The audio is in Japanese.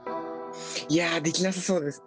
いやできなさそうです。